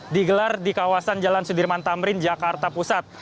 di gelar di kawasan jalan sudirman tamrin jakarta pusat